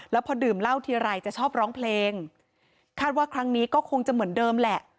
แล้วพอดื่มเหล้าทีไรจะชอบร้องเพลงคาดว่าครั้งนี้ก็คงจะเหมือนเดิมแหละ